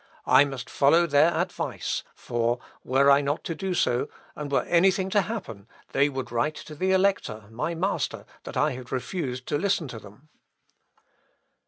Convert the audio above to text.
I must follow their advice, for, were I not to do so, and were anything to happen, they would write to the Elector, my master, that I had refused to listen to them."